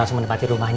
apa yang kau inginkan